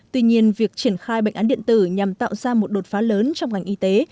tuy nhiên việc triển khai bệnh án điện tử nhằm tạo ra một đột phá lớn trong ngành y tế